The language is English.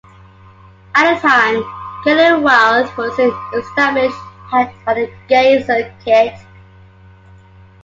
At the time, Kelly Wilde was an established act on the gay circuit.